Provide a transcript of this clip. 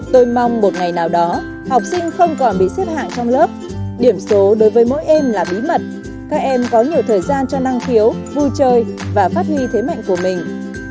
tôi mong một ngày nào đó học sinh không còn bị xếp hạng trong lớp điểm số đối với mỗi em là bí mật các em có nhiều thời gian cho năng khiếu vui chơi và phát huy thế mạnh của mình